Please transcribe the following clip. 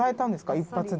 一発で」